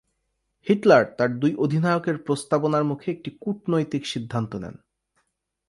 Hitler তার দুই অধিনায়কের প্রস্তাবনার মুখে একটি কূটনৈতিক সিদ্ধান্ত নেন।